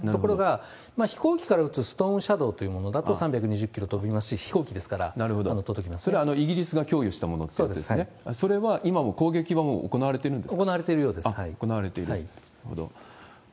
ところが、飛行機から移すシャウンシャドーというのだと３２０キロ飛びますし、飛行機それはイギリスが供与したもそうですね。それは、今も攻撃は行われてるんですか？